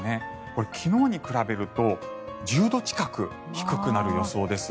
これ、昨日に比べると１０度近く低くなる予想です。